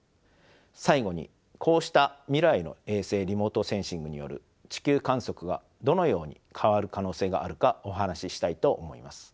最後にこうした未来の衛星リモートセンシングによる地球観測がどのように変わる可能性があるかお話ししたいと思います。